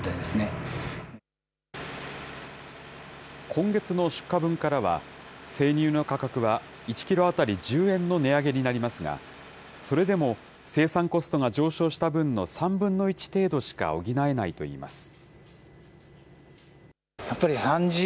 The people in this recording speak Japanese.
今月の出荷分からは、生乳の価格は１キロ当たり１０円の値上げになりますが、それでも生産コストが上昇した分の３分の１程度しか補えないといいます。